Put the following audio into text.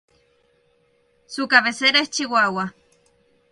Su cabecera es Chihuahua.